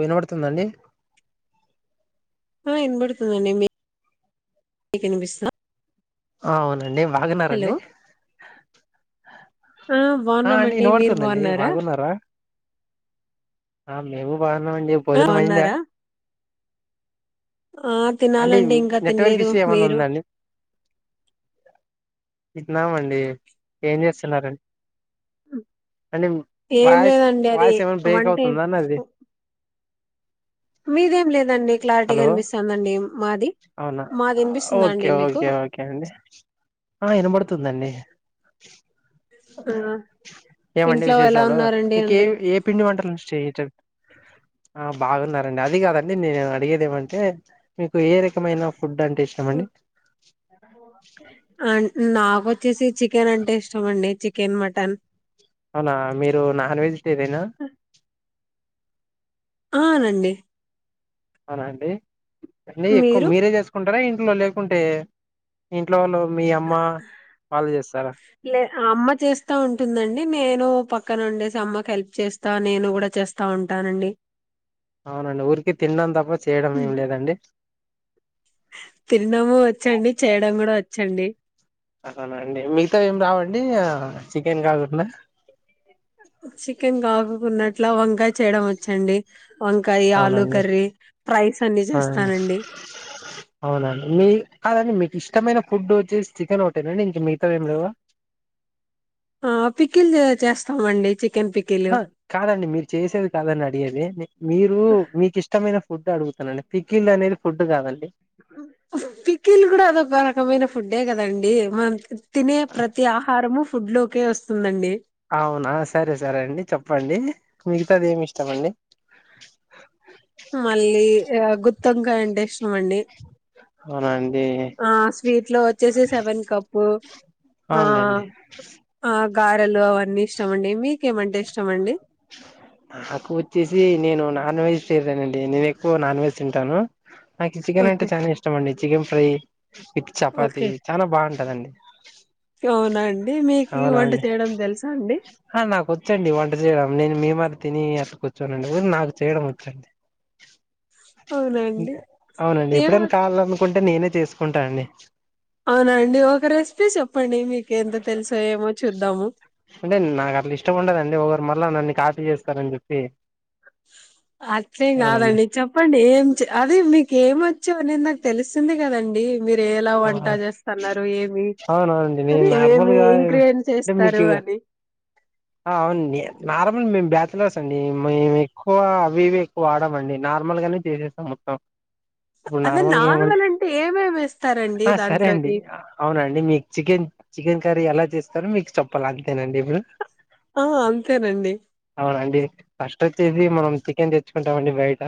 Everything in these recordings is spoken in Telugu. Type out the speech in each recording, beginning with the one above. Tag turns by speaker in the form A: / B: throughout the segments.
A: వినపడుతుందండి
B: ఊ ఇనబడుతుందండి మీ కు [unintelligible]
A: అవునండి బాగునారండి
B: ఆ
A: ఆ అండి
B: బాగున్నామండి మీరు
A: ఇనపడుతుందండి బాగున్నారా ఆ మేమూ బావున్నామండి
B: ఆ
A: భోజనం అయ్యిందా
B: బాగున్నారా ఆ
A: అంటే
B: తినాలండి ఇంకా
A: నెట్వర్క్
B: తినలేదు
A: ఇష్యూ ఏమన్నా
B: మీరు
A: ఉందండి ఇత్నాం అండి ఏం చేస్తున్నారం అంటే
B: ఏం
A: వాయిస్
B: లేదండి అది
A: వాయిస్ ఏమన్నా బ్రేక్
B: వంటే
A: అవుతుందా నాది
B: మీదేం లేదండి క్లారిటీగా
A: హలో
B: ఇనిపిస్తాందండి
A: అవునా ఓకే
B: మీకు
A: ఓకే ఓకే అండి అ ఇనప పడుతుందండి
B: ఊ
A: ఏమండి విశేషాలు మీకేవి ఏ పిండి వంటలు [inaudible] ఆ బాగున్నారండి అది కాదండి నే అడిగేదేమంటే మీకు ఏ రకమైన ఫుడ్ అంటే
B: ఊ
A: ఇష్టమండి
B: అన్ నాకొచ్చేసి చికెన్ అంటే ఇష్టం అండి చికెన్ మటన్
A: అవునా మీరు నాన్ వెజిటేరియన్ ఆ
B: ఔనండి
A: అవునండి అండి ఎక్కువ
B: మీరు
A: మీరే చేసుకుంటారా ట్లో లేకుంటే ఇంట్లో వాళ్ళు మీ అమ్మ వాళ్ళు చేస్తారా
B: లే అమ్మ చేస్తా ఉంటుందండి నేను ప క్కన ఉండేసి అమ్మకు హెల్ప్ చేస్తా నేను కూడా చేస్తా ఉంటానండి
A: అవునండి ఊరికే తినడం తప్ప చేయడం ఏం లేదండి
B: తినడమూ వచ్చండి చేయడం కూడా వచ్చండి
A: అవునా అండి మిగతా ఏం రావా అండి ఆ చికెన్ కాకుండా
B: చికెన్ కాకోకుండా అట్లా వంకాయ చేయడం వచ్చండి వంకాయి ఆలూ
A: అవునండి
B: కర్రీ ఫ్రైస్ అన్నీ చేస్తానండి
A: అవునా అండి మీ కాదండి మీ ఇష్టమైన ఫుడ్ వచ్చేసి చికెన్ ఒకటేనా అండి ఇంక మిగతావి ఏం లేవా
B: ఆ పికిల్ చే చేస్తామండి చి
A: హా కాదండి మీరు చేసేది కాదండి అడిగేది మీరు మీకు ఇష్టమైన ఫుడ్ అడుగుతున్నానండి పికిళ్లు అనేది ఫుడ్ కాదండి
B: పికిల్ కూడా అదొక రకమైన ఫుడ్డే కదండి మా తినే ప్రతి ఆహారము ఫుడ్ లోకే వస్తుందండి
A: అవునా సరే సరే అండి చెప్పండి మిగతాది ఏమి ఇష్టమండి
B: అమండి
A: అవునండి
B: ఆ స్వీట్ లో వచ్చేసి సెవెన్ కప్పు ఆ
A: అవునులేండి
B: ఆ గారెలు అవన్నీ ఇష్టం అండి మీ
A: నాకు వచ్చేసి నేను నాన్ వెజ్ చేశానండి నేను ఎక్కువ నాన్ వెజ్ తింటాను నాకు చికెన్ అంటే
B: ఓకే
A: చాలా ఇష్టం అండి చికెన్ ఫ్రై విత్ చపాతి చాలా బాగుంటదండి
B: అవునాండి మీకు
A: అవునా
B: వంట
A: అండి
B: చేయడం తెలుసా అండి
A: ఆ నాకు వచ్చండి వంట చేయడం నేను మీమరి తిని అట్ట కూర్చోనండి నాకు చేయడం వచ్చండి
B: అవునా అండి
A: అవునండి
B: ఏమో
A: ఎప్పుడైనా కావాలనుకుంటే నేనే చేసుకుంటానండి
B: అవునండి ఒక రెసిపీ చెప్పండి మీకు ఎంత తెలుసో ఏమో చూద్దాము
A: అంటే నాకు అట్లా ఇష్టం ఉండదండి ఒకరు మళ్ళ నన్ను కాపీ చేస్తారని చెప్పి
B: అట్లేం
A: అవునండి
B: కాదండి చెప్పండి ఏం అదే మీకేమి వచ్చు అనేది నాకు తెలుస్తుంది కదండి మీరు ఎలా వంట చేస్తన్నారు ఏమి
A: అవునవునండి నేను
B: అని ఏమేమి
A: నార్మల్గా
B: ఇంగ్రెడియంట్స్
A: అంటే
B: వేస్తారు
A: మీకు
B: డి
A: ఆ అవునండి నార్మల్ మేము బ్యాచిలర్స్ అండి మేము ఎక్కువ అవి ఇవి ఎక్కువ వాడమండి నాకు నార్మల్ గానే చేసేస్తాం మొత్తం ఇప్పుడు
B: అదే
A: నార్మల్గా ఏమంటే
B: నార్మల్ అంటే ఏమేమి వేస్తారండి
A: ఆ సరే అండి
B: దాంట్లోకి
A: అవునండి మీకు చికెన్ చికెన్ కర్రీ ఎలా చేస్తారో మీకు చెప్పాలి అంతేనా అండి ఇప్పుడు
B: ఆ అంతేనండి
A: అండి ఫస్ట్ వచ్చేసి మనం చికెన్ తెచ్చుకుంటాం అండి బయట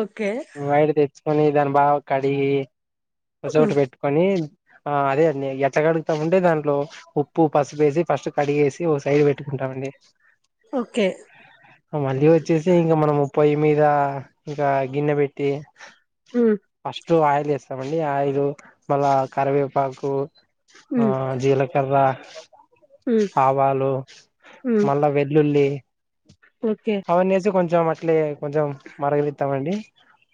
B: ఓకే
A: బయట తెచ్చుకొని దాన్ని బాగా కడిగి ఒక
B: హ్మ్
A: చోటు పెట్టుకొని ఆ అదే అండి ఎట్ట కడుగుతామంటే దాంట్లో ఉప్పు పసుపేసి ఫస్ట్ కడిగేసి వ సైడ్ పెట్టుకుంటామండి
B: ఓకే
A: మళ్ళీ వచ్చేసి ఇంకా మనం పొయ్యి మీద ఇంకా గిన్నె పెట్టి
B: హ్మ్
A: ఫస్ట్ ఆయిల్ వేస్తామండి ఆయిల్ మళ్ళా కరివేపాకు ఆ
B: హ్మ్
A: జీలకర్ర
B: హ్మ్
A: ఆవాలు
B: హ్మ్
A: మళ్ళా వెల్లుల్లి
B: ఓకే
A: అవన్నేసి కొంచెం అట్లే కొంచెం మరగనిస్తామండి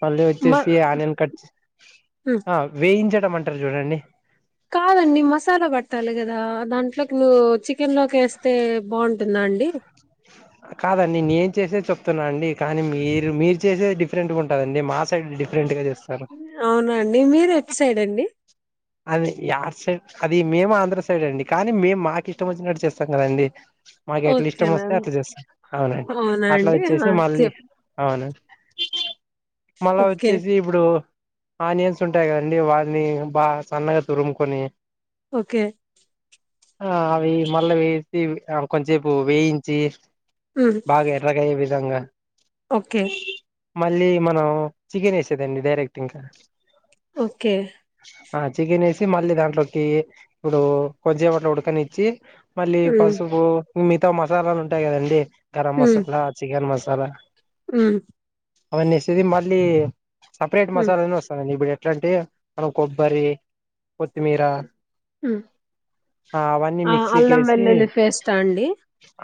A: మళ్ళీ
B: మ
A: వచ్చేసి ఆనియన్ కట్
B: హ్మ్
A: ఆ వేయించడం అంటరు చూడండి
B: కాదండి మసాలా పట్టాలి కదా దాంట్లోకి నువ్వు చికెన్ లోకి వేస్తే బాగుంటు టుందా అండి
A: కాదండి నేను చేసేది చెప్తున్నా అండి కానీ మీరు మీరు చేసేది డిఫరెంట్గా ఉంటదండి మా సైడ్ డిఫరెంట్ గా చేస్
B: అవునండి మీరు ఎటు సైడ్ అండి
A: అది ఆ సైడ్ అది మేము ఆంధ్ర సైడ్ అండి కానీ మేము మాకు ఇష్టం వచ్చినట్టు చేస్తాం కదండి మాకు ఎట్లా ఇష్టం
B: ఓకేనా
A: వస్తే
B: అండి
A: అట్లా చేస్తాం అవునండి
B: అవునా
A: అట్లా
B: అండి ఆ
A: వచ్చేసి మళ్ళీ
B: చెప్
A: అవును మల్లా
B: ఓకే
A: వచ్చేసి ఇప్పుడు ఆనియన్స్ ఉంటాయి గా అండి వాన్నీ బా సన్నగా తురుముకొని
B: ఓకే
A: ఆ అవి మల్ల వేసి కొంచేపు వేయించి
B: హ్మ్
A: బాగా ఎర్రగయ్యే విధంగా
B: ఓకే
A: మళ్ళీ మనం చికెన్ ఏసేదండి డైరెక్ట్ ఇంకా
B: ఓకే
A: ఆ చికెన్ ఏసి మళ్ళీ దాంట్లోకి ఇప్పుడు కొంచెం వాట్లో ఉడకనిచ్చి మళ్ళీ
B: హ్మ్
A: పసుపు మీతో మసాలాలు ఉంటాయి గదండి గరం మసాలా చికెన్ మసాలా
B: హు
A: అవన్నీ ఏసి మళ్ళీ సపరేట్
B: హ్మ్
A: మసాలా అని వస్తదండి ఇప్పుడు ఎట్లా అంటే మనం కొబ్ బరీ కొత్తిమీర
B: హ్మ్
A: ఆ అవన్నీ
B: ఆ
A: మిక్సీ
B: అల్లం
A: కేసి
B: వెల్లుల్లి పేస్టా అండి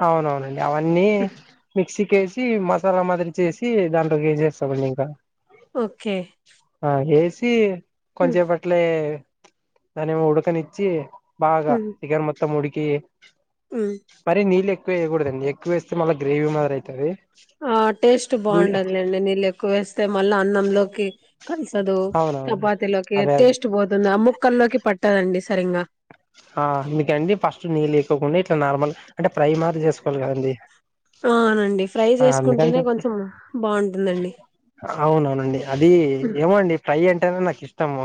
A: అవునవునండి అవన్నీ
B: హ్మ్.
A: మిక్సీ కేసి చి మసాలా మాదిరి చేసి దాంట్లోకి ఏసేస్తామండి ఇంకా
B: ఓకే హు
A: మే దాన్నేమో ఉుడక నిచ్చి బాగా
B: హ్మ్
A: చిగన్ మొత్తం ఉడికి
B: హ్మ్
A: మరీ నీళ్ళు ఎక్కువ ఏయగూడదండి ఎక్కువ వేస్తే మళ్ళా గ్రేవీ మార అయితది
B: ఆ టేస్ట్ బాండదులేండి నీళ్లు ఎక్కువ ఏస్తే మల్లా అన్నం లోకి కంచదు
A: అవునవును
B: ఉపతి లోకి
A: అదే అదే
B: టేస్ట్ బోతుంది ఆ ముక్కల్లోకి పట్టదండి సరింగా
A: ఆ మీకండి ఫస్ట్ నీళ్ళు ఏసుకోకుండా ఇట్లా నార్మల్ అంటే ప్రై మాది జేసుకోవాలి కదండి
B: ఆ అవునండి ఫ్రై
A: ఆ అందుకని
B: జేసుకుంటేనే కొంచెం బావుంటుందండి
A: అవునోనండి అది ఏమోండి ఫ్రై అంటేనాక్ ఇష్టము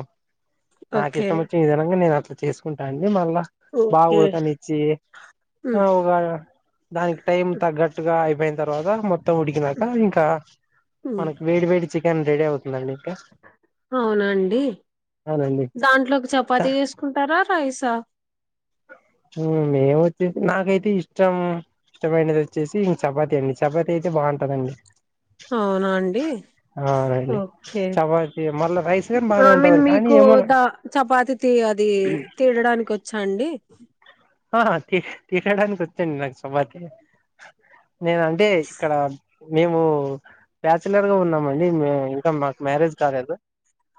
A: నాకు
B: ఓకే
A: ఇష్టం వచ్చిన ఈ విధంగా నేను అట్లా చేసుకు మల్ల బా
B: ఓకే
A: ఉడక నిచ్చి [unintelligible] దానికి టైం తగ్గట్టుగా అయిపేయిన తర్వాత మొత్ మొత్తం ఉడికినాక ఇంకా మనకి వేడి వేడి చికెన్ రెడీ అవుతుందండి ఇంకా
B: అవునండి
A: అవునండి
B: దాంట్లో ఒక చపాతి చే సుకుంటారా రైసా
A: అవునండిఅవొచ్చేసి వచ్చేసి నాకైతే ఇష్టం ఇష్టమైనది వచ్చేసి ఇంక చపాతి అండి చపాతి అయితే బావుంటదండి
B: అవునా అండి ఓకే
A: చపాతి మళ్ళా రైస్ గాని
B: ఆ
A: బాగానే
B: మీన్
A: ఉంటది కానీ
B: మీకు
A: ఏమోనా
B: ద చపాతి తీయ అది తీడడానికి వచ్చా అండి
A: హా ఆ తీసేడానికి వచ్చాను నాకు సుమాకి నేన అంటే ఇక్కడ మేము బ్యాచలర్ గా ఉన్నామండి మే ఇంకా మాకు మ్యారేజ్ కాలేదు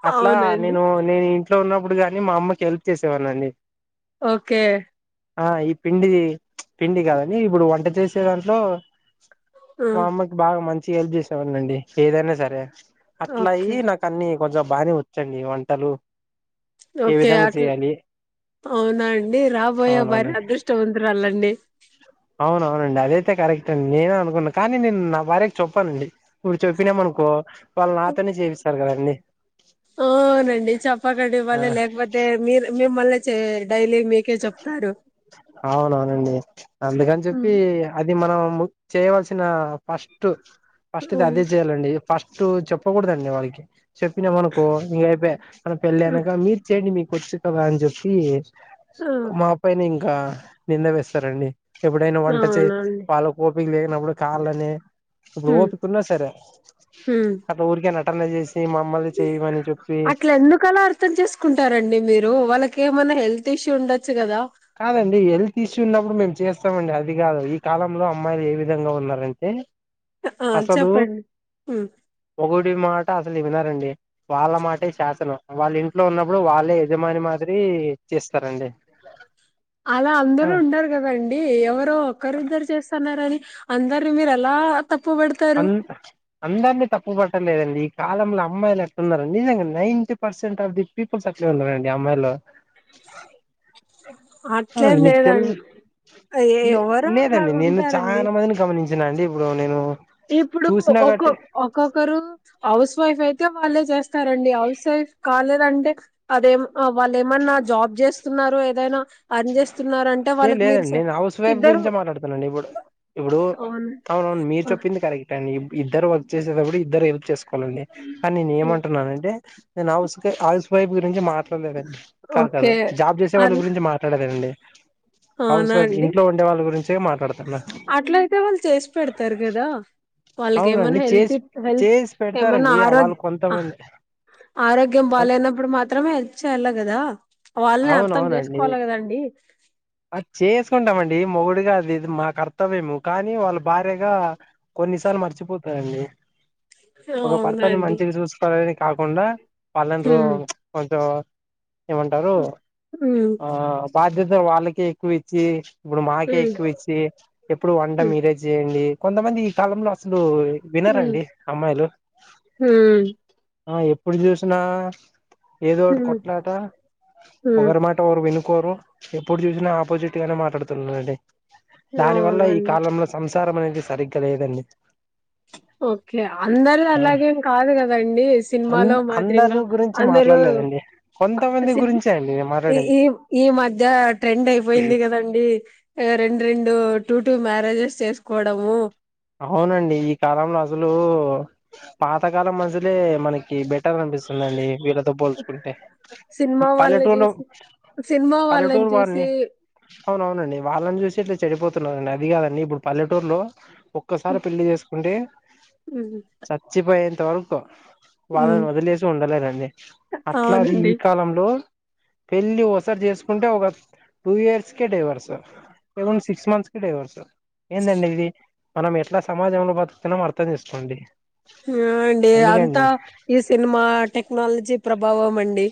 A: అట్లా
B: అవునండి
A: నేను నేను ఇంట్లో ఉన్నప్పుడు గాని మా అమ్మకి హెల్ప్ చేసేవానన్నిఅండి
B: ఓకే
A: ఆ ఈ పిండిది పిండి గాదండి ఇప్పుడు వంట చేసే దాంట్లో
B: ఆ!
A: మా అమ్మకి బాగా మంచి గ హెల్ప్ చేసేవాన్ని అండి ఏదైనా సరే అట్లా అయి
B: ఓకే
A: నాకు అన్ని కొంచంబానే వచ్చండి వంటలు ఏ
B: ఓకే
A: విధంగా
B: అట్లు
A: చేయాలి
B: అవునా అండి రా కపోయే భార్య
A: అవునవునండి
B: అదృష్టవంతురాలండి
A: అవునవునండి అదైతే కరెక్ట్ అండి నేనే అనుకున్నా కానీ నేను నా భార్యకు చెపొనండి ఇప్పుడు చెప్పినాము అనుకో వాళ్లు నాతోనే జేపిస్తారు కదా అన్ని
B: ఆవునండి చేప్పకండి
A: ఆ
B: మళ్ళీ లేకపోతే మీరు మేమ్మళ్ళీ చే డైలీ మీకే చెప్తారు
A: అవునవునండి అందుకని
B: హ్మ్.
A: చెప్పి అది మనం చేయవలసిన ఫస్ట్ ఫస్ట్ది
B: హ్మ్.
A: అదే చేయాలండి ఫస్ట్ చెప్పకూడదండి వాళ్ళకి చెప్పినా మనకో ఇంకయి మన
B: హ్మ్.
A: పెళ్ళానక మీరు చెయండి మీకు వచ్చు కదా అని చెప్పి
B: ఆ!
A: మా పైని ఇంకా నింద వేస్తారండి ఎప్పుడైనా వంట చే
B: అవునండి
A: వాళ్ళ కోపకి లేకినప్పుడు కాలనే ఇప్పుడు
B: హ్మ్.
A: ఓపుకున్నా సరే
B: హ్మ్.
A: అట్లా ఊరికేనాట్ట
B: అట్లా ఎందుకలా అర్థం చేసుకుంటారండి మీరు వాళ్ళకి ఏమన్నా హెల్త్ టిష్ ఉండ
A: కాదండి హెల్త్ ఇష్యూ ఉన్నప్పుడు మేము చేస్తామండి అది కాదు ఈ కాలంలో అమ్మాయిలు ఏ విధంగా ఉన్నారంటే
B: ఆ చెప్పండి హ్మ్
A: రి మాట అసలు వినరండి వాళ్ళ మాటే శాసనం వాళ్ళ ఇంట్లో ఉన్నప్పుడు వాళ్ళ అంటే యజమాని మాదిరి చేస్
B: అలా
A: ఆ
B: అందరూ ఉండరు కదండి ఎవరో ఒక్కరిద్దరు చేస్తన్నరని అందరు మీరు అలా
A: అం అందరినీ తప్పు పట్ట లేదండి కాలంలో అమ్మాయిలు ఎట్లా ఉన్నారండి నిజంగా ninety percent of the peoples అట్లే ఉన్నారండి అమ్మాయిల్లో
B: అట్లేం
A: అవునండి మీకు
B: లేదం
A: తెలు లే లేదండి నేను చాలా మందిని గమనించిన అండి ఇప్పుడు నేను
B: ఇప్పుడు
A: చూసినా
B: ఒకొ
A: గట్టి
B: ఒక్కొక్కరు హౌస్ వైఫ్ అయితే వాళ్ళే చేస్తారండి హౌస్ వైఫ్ కాలేదంటే అదేం వాళ్ళ ఏమన్ జాబ్ చేస్తున్నారు ఏదైనా అర్న్ చేస్తున్నారు అంటే
A: ఏం
B: వాళ్ళకి మీరు
A: లేదండి
B: స
A: నేను హౌస్ వైఫ్
B: ఇద్దరు
A: గురించే మాట్లాడుతున్నాను ఇప్పుడు ఇప్పుడు
B: అవును
A: అవునవును మీరు చెప్ చెప్పింది కరెక్ట్ అండి ఇద్దరు వర్క్ చేసేటప్పుడు ఇద్దరు హెల్ప్ చేసుకోవాలండి కాని నేను ఏమంటున్నాను అంటే నేను హౌస్ హౌస్ వైఫ గురించి మాట్లాడలేదండి కాదు కాదు
B: ఓకే
A: జాబ్ చేసే వాళ్ళ
B: అల్
A: గురించి మాట్ రండి
B: అవునా అండి
A: మాట్లాడుతున్నా
B: అట్లయితే వాళ్ళు చేసి పెడతారు కదా వాళ్ళకి ఏమన్నా
A: అవునండి
B: హెల్త్
A: చేసి
B: హెల్త్
A: చేసి
B: ఏమన్నా
A: పెడతారండి
B: ఆరోగ్
A: వాళ్ళు
B: ఆ
A: కొంతమంది
B: ఆరోగ్యం
A: కొన్-
B: బాలేనప్పుడు మాత్రమే హెల్ప్ చేయాల కదా వాళ్ళని అర్థం
A: అవునవునండి
B: చేసుకోవాలి కదండి
A: అది చేసుకుంటామండి మొగుడిగా అది ఇ మా కర్తవ్యము కానీ వాళ్ళు భార్యగా కొన్నిసార్లు మర్చిపోతారండి ఒక భర్తని
B: అవునండి
A: మంచిగా చూసుకోవాలని కాకుండా వాళ్ళని రూ
B: ఉమ్
A: కొంచెం ఏమంటారు
B: ఉమ్
A: ఆ బాధ్యత వాళ్ళకే ఎక్కువ ఇచ్చి ఇప్పుడు మాకే
B: హ్మ్
A: ఎక్కువ ఇచ్చి ఎప్పుడు వంట మీరే చేయండి కొంతమంది కాలంలో అసలు
B: హ్మ్
A: వినరండి అమ్మాయిలు ఎప్పుడు చూసిన ఏదో ఒకటి
B: హ్మ్
A: కొట్లాట
B: హ్మ్
A: ఒకరి మా ఓరు వినుకోరు ఎప్పుడు చూసినా ఆపోజిట్ గానే మాట్లాడుతున్నారండి దాని వల్ల ఈ
B: అవునండి.
A: కాలంలో సంసారం అనేది సరిగ్గా లేదండి
B: ఓకే అందరూ
A: అ
B: అలాగేం కాదు కదండి సినిమాలో మాదిరింగా అందరూ
A: మాట్లాడలేదండి కొంత మంది
B: సిన్
A: గురించి అండి నే
B: ఈ
A: మాట్లాడింది
B: ఈ ఈ మధ్య ట్రెండ్ అయిపోయింది కదండి రెండు రెండు టూ టూ మ్యారేజెస్ చేసుకోవడము
A: అవునండి ఈ కాలంలో అసలు పాతకాలం మనుషులే మనకి బెటర్ అం పిస్తుందండి వీళ్ళతో పోల్చుకుంటే
B: సినిమా వాళ్ళని
A: పల్లెటూళ్లో
B: జూసి సినిమా
A: పల్లెటూరు
B: చూసి
A: వాళ్ళని అవునవునండి వాళ్ళని చూసే చెడిపోతున్నారండి అది కాదండి ఇప్పుడు పల్లెటూరులో ఒక్కసారి పెళ్లి చేసుకుంటే
B: హ్మ్.
A: చచ్చిపోయెంత వరకు
B: హ్మ్.
A: వాళ్ళని వదిలేసి ఉండలేనండి అట్లాది ఈ
B: అవునండి.
A: కాలంలో పెళ్లి ఓసారి చేసుకుంటే ఒక టూ ఇయర్స్ కే డైవర్స్ ఏముంది సిక్స్ మంత్స్ కి డై వర్స్ ఏందండి ఇది మనం ఎట్లా సమాజంలో బతుకుతున్నామో అర్థం చేసుకోండి
B: ఆ అండి
A: అందుకే
B: అంతా
A: అండి
B: ఈ సినిమా టెక్నాలజీ ప్రభావం అండి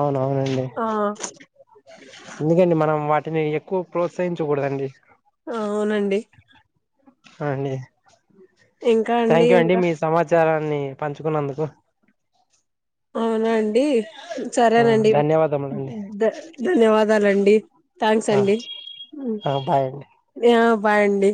A: అవునవునండి
B: ఆ!
A: ఎందుకండి మనం వాటిని ఎక్కువ ప్రోత్సహించకూడదండి
B: ఆ అవునండి
A: అ అండి
B: ఇంకా
A: థ్యాంక్ యూ అండి
B: ఇంకా
A: మీ సమాచార న్ని పంచుకున్నందుకు
B: అవునా అండి
A: ఆ
B: సరేనండి
A: ధన్యవాదములండి
B: ధ ధన్యవాదాలండి థ్యాంక్స్
A: ఆ
B: అండి ఉ
A: ఆ బాయ్ అండి
B: మ్యా బాయండి